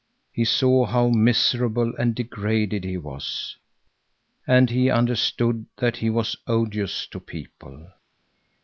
He saw how miserable and degraded he was, and he understood that he was odious to people.